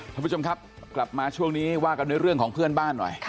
ท่านผู้ชมครับกลับมาช่วงนี้ว่ากันด้วยเรื่องของเพื่อนบ้านหน่อย